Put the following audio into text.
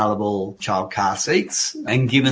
semua penyelamatan anak anak yang baru